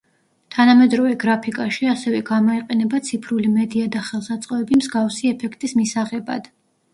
თანამედროვე გრაფიკაში ასევე გამოიყენება ციფრული მედია და ხელსაწყოები მსგავსი ეფექტის მისაღებად.